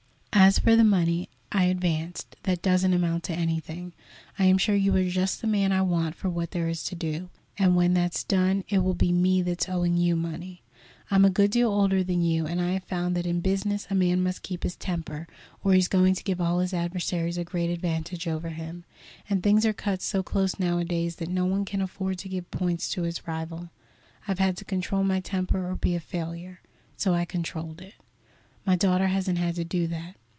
As for the money I advanced, that doesn't amount to anything. I am sure you are just the man I want for what there is to do, and when that's done it will be me that's owing you money. I'm a good deal older than you, and I have found that in business a man must keep his temper, or he's going to give all his adversaries a great advantage over him, and things are cut so close nowadays that no one can afford to give points to his rival. I've had to control my temper or be a failure, so I controlled it. My daughter hasn't had to do that.